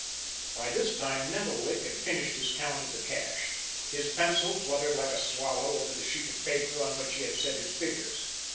By this time Nettlewick had finished his count of the cash. His pencil fluttered like a swallow over the sheet of paper on which he had set his figures.